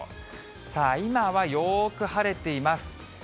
さあ、今はよーく晴れています。